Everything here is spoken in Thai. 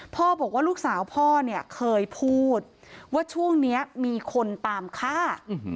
พ่อบอกว่าลูกสาวพ่อเนี่ยเคยพูดว่าช่วงนี้มีคนตามฆ่า